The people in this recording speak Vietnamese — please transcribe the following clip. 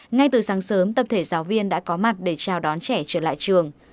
ngay từ sáng sớm tập thể giáo viên đã có mặt để chào đón trẻ trở lại trường